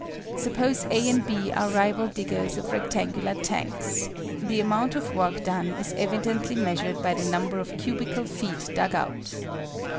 Suppose A and B are rival diggers of rectangular tanks: the amount of work done is evidently measured by the number of cubical feet dug out.